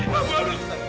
saya harus disini